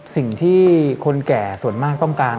สิ่งที่คนแก่ส่วนมากต้องการ